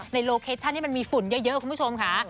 โลเคชันที่มันมีฝุ่นเยอะคุณผู้ชมค่ะ